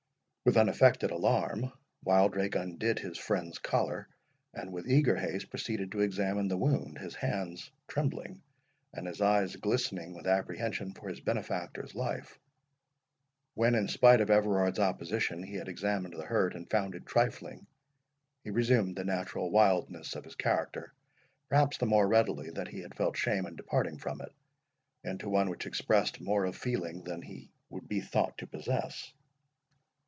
With unaffected alarm, Wildrake undid his friend's collar, and with eager haste proceeded to examine the wound, his hands trembling, and his eyes glistening with apprehension for his benefactor's life. When, in spite of Everard's opposition, he had examined the hurt, and found it trifling, he resumed the natural wildness of his character, perhaps the more readily that he had felt shame in departing from it, into one which expressed more of feeling than he would be thought to possess.